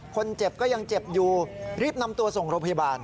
คนเจ็บก็ยังเจ็บอยู่รีบนำตัวส่งโรงพยาบาล